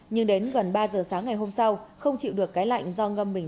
nhưng đến gần ba giờ sáng ngày hôm sau không chịu được cái lạnh do ngâm mình